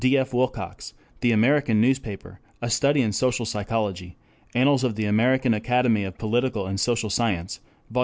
D. F. Wilcox, The American Newspaper: A Study in Social Psychology, Annals of the American Academy of Political and Social Science, vol.